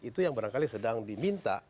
itu yang barangkali sedang diminta